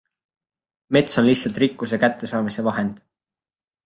Mets on lihtsalt rikkuse kättesaamise vahend.